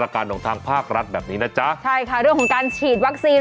การของทางภาครัฐแบบนี้นะจ๊ะใช่ค่ะเรื่องของการฉีดวัคซีน